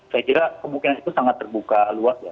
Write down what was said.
saya kira kemungkinan itu sangat terbuka luas ya